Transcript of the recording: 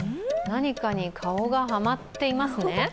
何かに顔がはまっていますね。